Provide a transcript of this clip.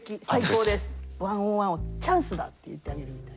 １ｏｎ１をチャンスだって言ってあげるみたいな。